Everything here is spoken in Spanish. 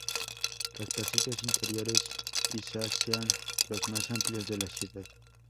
Los pasillos interiores quizá sean los más amplios de la ciudad.